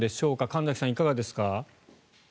神崎さん、いかがですか？